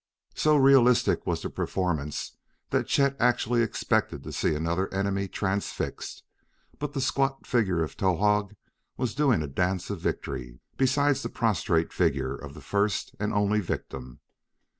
So realistic was the performance that Chet actually expected to see another enemy transfixed, but the squat figure of Towahg was doing a dance of victory beside the prostrate figure of the first and only victim.